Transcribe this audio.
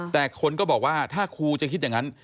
แต่คนก็บอกว่าถ้าครูจะคิดอย่างนั้น